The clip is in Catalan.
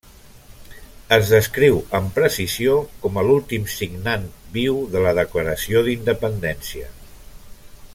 Es descriu amb precisió com a l'últim signant viu de la Declaració d'Independència.